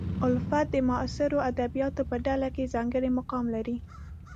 الفت د معاصرو ادیبانو په ډله کې ځانګړی مقام لري.